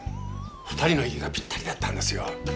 ２人の息がぴったりだったんですよ。